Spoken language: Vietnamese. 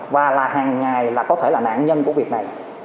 và là hàng ngày là có thể là nạn nhân của việc này